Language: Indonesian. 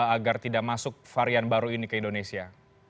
agar tidak masuk varian baru ini ke indonesia